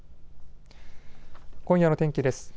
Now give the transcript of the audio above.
今夜の天気です。